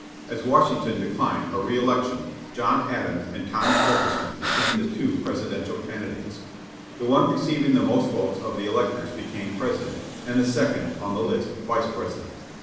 As Washington declined a reëlection, John Adams and Thomas Jefferson became the two Presidential candidates. The one receiving the most votes of the electors became President, and the second on the list, Vice President.